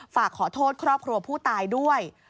ฝากขอโทษครอบครัวผู้ตายด้วย